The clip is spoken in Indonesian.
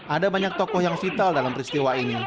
ada banyak tokoh yang vital dalam peristiwa ini